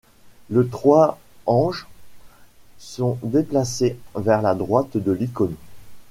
Le trois anges sont déplacés vers la droite de l'icône.